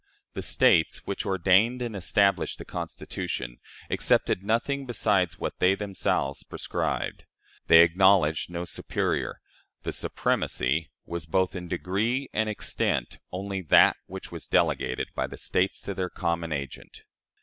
The States, which ordained and established the Constitution, accepted nothing besides what they themselves prescribed. They acknowledged no superior. The supremacy was both in degree and extent only that which was delegated by the States to their common agent.